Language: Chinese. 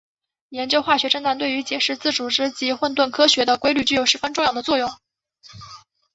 研究化学振荡对于解释自组织及混沌科学的规律具有十分重要的作用。